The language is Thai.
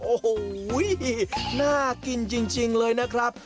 โอ้โหน่ากินจริงเลยนะครับ